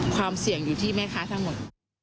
ความเสี่ยงอยู่ที่แม่ค้าทั้งหมด